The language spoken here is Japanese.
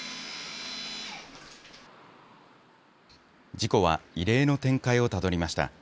事故は異例の展開をたどりました。